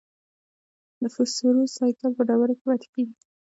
د فوسفورس سائیکل په ډبرو کې پاتې کېږي.